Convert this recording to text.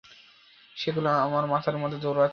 সেগুলো আমার মাথার মধ্যে দৌড়াচ্ছে।